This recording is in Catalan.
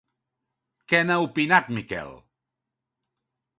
Què n'ha opinat Miquel?